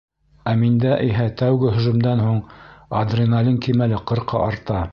Ә миндә иһә тәүге һөжүмдән һуң адреналин кимәле ҡырҡа арта.